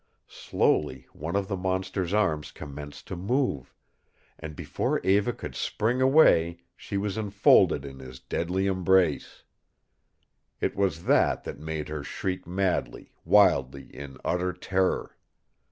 Slowly one of the monster's arms commenced to move, and before Eva could spring away she was enfolded in his deadly embrace. It was that that made her shriek madly, wildly, in utter terror.